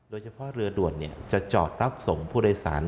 โดยเฉพาะเรือด่วนจะจอดรับส่งผู้โดยสาร